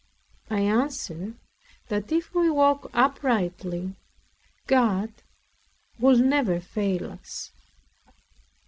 I answered that if we walked uprightly God would never fail us.